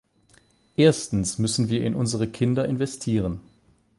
Erstens müssen wir in unsere Kinder investieren.